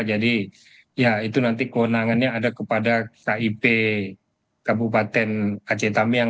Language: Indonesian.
jadi ya itu nanti kewenangannya ada kepada kip kabupaten aceh tamiang